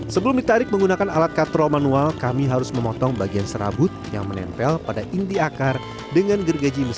sebelum ditarik menggunakan alat katro manual kami harus memotong bagian serabut yang menempel pada inti akar dengan gergaji mesin